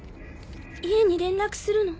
家に連絡するの？